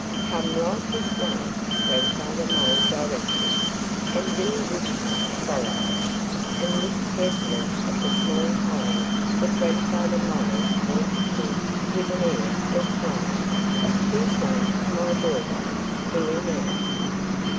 "Come right this way!" Grandfather Mole directed. And Billy Woodchuck followed, and looked carefully at the small hole that Grandfather Mole pointed to with an air of pride. "Here's one of my doorways," he announced.